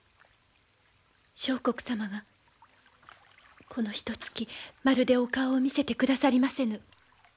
相国様がこのひとつきまるでお顔を見せてくださりませぬ。